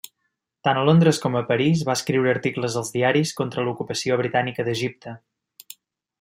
Tant a Londres com a París va escriure articles als diaris contra l'ocupació britànica d'Egipte.